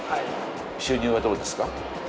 収入はどうですか？